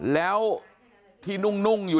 แล้วทีนี้พอคุยมา